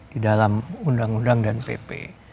di dalam undang undang dan pp